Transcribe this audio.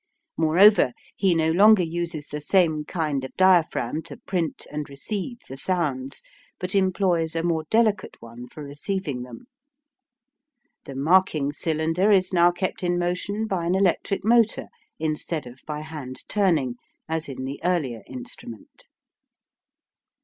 Moreover, he no longer uses the same kind of diaphragm to print and receive the sounds, but employs a more delicate one for receiving them. The marking cylinder is now kept in motion by an electric motor, instead of by hand turning, as in the earlier instrument.